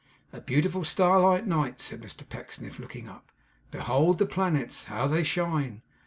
'A beautiful starlight night,' said Mr Pecksniff, looking up. 'Behold the planets, how they shine!